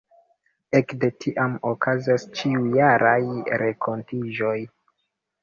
Ekde tiam okazas ĉiujaraj renkontiĝoj.